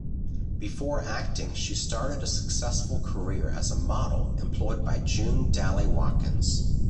Before acting she started a successful career as a model employed by June Dally-Watkins.